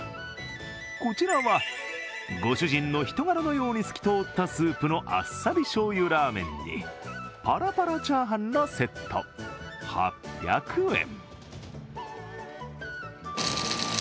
こちらはご主人の人柄のように透き通ったスープのあっさりしょうゆラーメンにパラパラチャーハンのセット８００円。